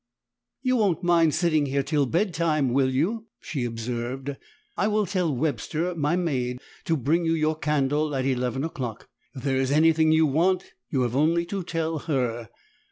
"You wont mind sitting here till bedtime, will you?" she observed, "I will tell Webster, my maid, to bring you your candle at eleven o'clock. If there is anything you want, you have only to tell HER.